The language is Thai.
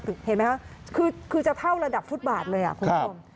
เห็นไหมคะคือจะเท่าระดับฟุตบาทเลยคุณผู้ชม